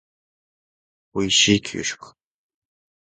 おいしい給食